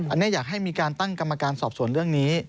อันนี้อยากให้มีการตั้งกรรมการสอบสวนเรื่องนี้